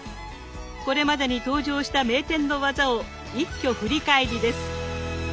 これまでに登場した名店の技を一挙振り返りです！